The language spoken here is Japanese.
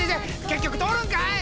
結局通るんかい！